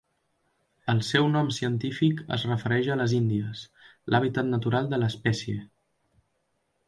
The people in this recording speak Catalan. El seu nom científic es refereix a les Índies, l'hàbitat natural de l'espècie.